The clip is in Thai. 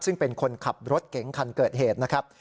ซึ่งเป็นคนขับรถเก๋งคันเกิดเหตุนะครับ